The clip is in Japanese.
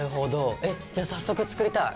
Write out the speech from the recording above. えじゃ早速作りたい！